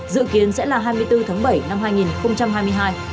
dự kiến sẽ là hai mươi bốn tháng bảy năm hai nghìn hai mươi hai